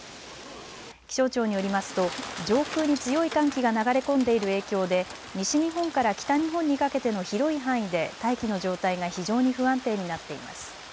気象庁によりますと上空に強い寒気が流れ込んでいる影響で西日本から北日本にかけての広い範囲で大気の状態が非常に不安定になっています。